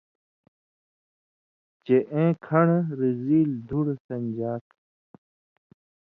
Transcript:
چے اېں (کھن٘ڑہ) رِزیلیۡ دُھڑہۡ سن٘دژا تھہ۔